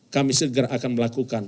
kami segera akan melakukan